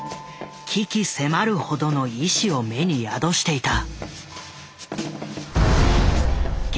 鬼気迫るほどの意思を目に宿していた。